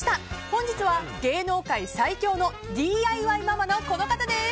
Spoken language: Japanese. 本日は芸能界最強のＤＩＹママのこの方です。